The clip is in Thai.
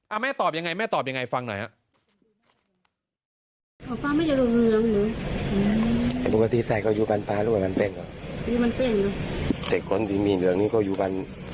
แม่ตอบยังไงแม่ตอบยังไงฟังหน่อยฮะ